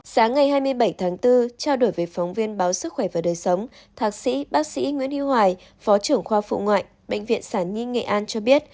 hãy đăng ký kênh để ủng hộ kênh của chúng mình nhé